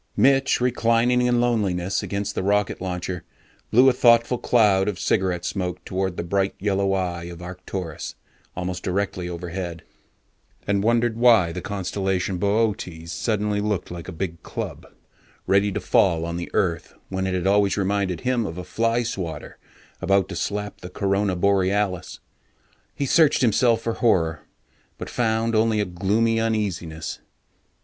Mitch, reclining in loneliness against the rocket launcher, blew a thoughtful cloud of cigarette smoke toward the bright yellow eye of Arcturus, almost directly overhead, and wondered why the Constellation Boötes suddenly looked like a big club ready to fall on the earth, when it had always reminded him of a fly swatter about to slap the Corona Borealis. He searched himself for horror, but found only a gloomy uneasiness.